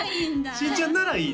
新ちゃんならいい？